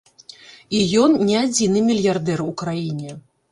І ён не адзіны мільярдэр у краіне.